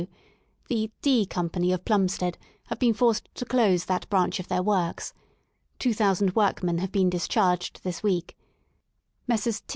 W ^, the D Co. of Plumstead have been forced to close that branch of their works. Two thousand workmen have been discharged this week, Messrs.